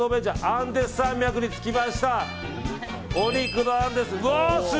アンデス山脈に着きましたお肉のアンデス。